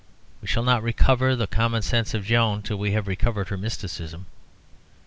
We shall not recover the common sense of Joan until we have recovered her mysticism.